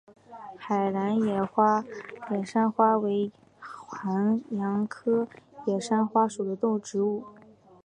海南野扇花为黄杨科野扇花属的植物。